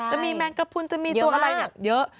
แมงกระพุนจะมีตัวอะไรเยอะ